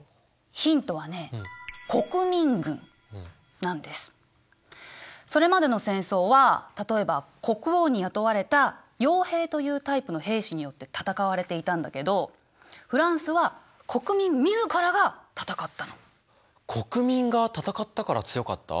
ヒントはねそれまでの戦争は例えば国王に雇われたよう兵というタイプの兵士によって戦われていたんだけど国民が戦ったから強かった？